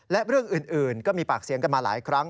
และเรื่องอื่นก็มีปากเสียงกันมาหลายครั้ง